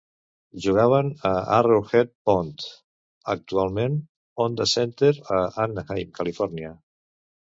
Jugaven a l'Arrowhead Pond, actualment Honda Center, a Anaheim, Califòrnia.